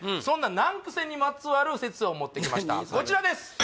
そんな難癖にまつわる説を持ってきましたこちらです